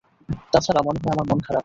তাছাড়া, মনে হয় আমার মন খারাপ।